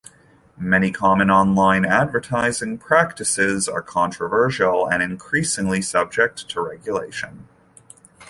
Many common online advertising practices are controversial and increasingly subject to regulation.